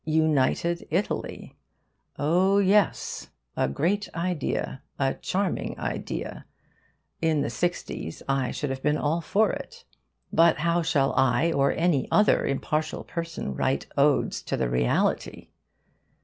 'United Italy' oh yes, a great idea, a charming idea: in the 'sixties I should have been all for it. But how shall I or any other impartial person write odes to the reality?